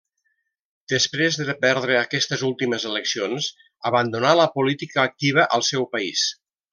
Després de perdre aquestes últimes eleccions abandonà la política activa al seu país.